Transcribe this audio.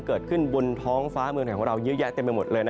เกิดขึ้นบนท้องฟ้าเมืองไของเรายื้อแยกเต็มไปหมด